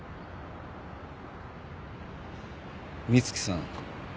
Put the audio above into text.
美月さん